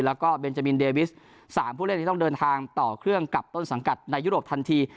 แล้วก็เบนจามินเดวิส๓ผู้เล่นที่ต้องเดินทางต่อเครื่องกับต้นสังกัดในยุโรปทันที